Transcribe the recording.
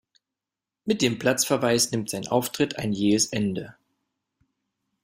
Mit dem Platzverweis nimmt sein Auftritt ein jähes Ende.